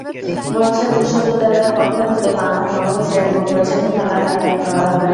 বরিশাল বিশ্ববিদ্যালয়ের পক্ষ থেকে বাংলা নববর্ষ এবং বৈশাখী মেলার আয়োজন করা হবে।